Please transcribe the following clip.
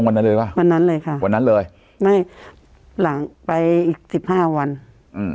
วันนั้นเลยค่ะวันนั้นเลยไม่หลังไปอีกสิบห้าวันอืม